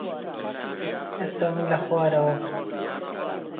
ئێستا بۆ تایەکەت دەتوانی تاچیپیرینا وەربگری